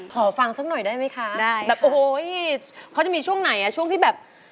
ขอฟังสักหน่อยได้ไหมคะได้แบบโอ้โหเขาจะมีช่วงไหนอ่ะช่วงที่แบบ